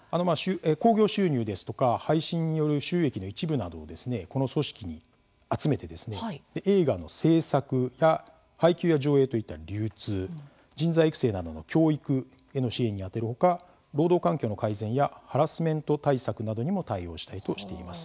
興行収入ですとか配信による収益の一部などをこの組織に集めて映画の製作や配給や上映といった流通人材育成など教育への支援に充てる他、労働環境の改善やハラスメント対策などにも対応したいとしています。